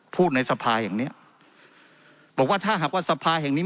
ในสภาอย่างเนี้ยบอกว่าถ้าหากว่าสภาแห่งนี้